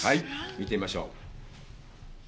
見てみましょう。